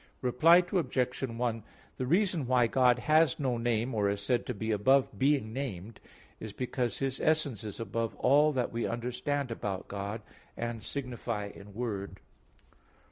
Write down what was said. Reply Obj. 1: The reason why God has no name, or is said to be above being named, is because His essence is above all that we understand about God, and signify in word.